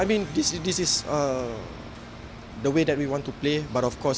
ini adalah cara yang ingin kita mainkan